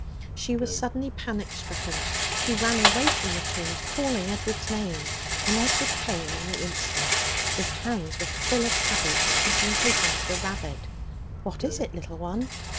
She was suddenly panic stricken; she ran away from the tombs calling Edward's name. And Edward came on the instant. His hands were full of cabbage which he had been taking to the rabbit. 'What is it, little one?'